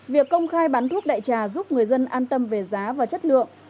việc công khai bán thuốc đại trà giúp người dân an tâm về giá và chất lượng